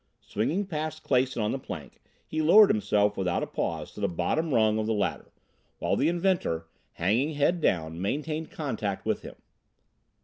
Swinging past Clason on the plank, he lowered himself without a pause to the bottom rung of the ladder, while the inventor, hanging head down, maintained contact with him.